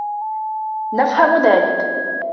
نفهم ذلك.